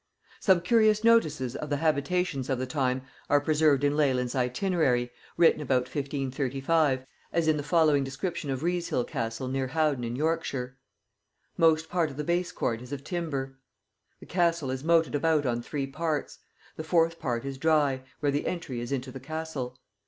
Some curious notices of the habitations of the time are preserved in Leland's Itinerary, written about 1535, as in the following description of Wresehill castle near Howden in Yorkshire: 'Most part of the base court is of timber. The castle is moted about on three parts; the fourth part is dry, where the entry is into the castle.